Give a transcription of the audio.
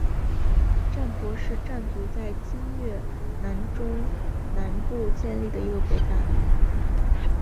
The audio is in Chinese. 占婆是占族在今越南中南部建立的一个国家。